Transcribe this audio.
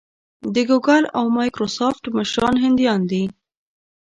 د ګوګل او مایکروسافټ مشران هندیان دي.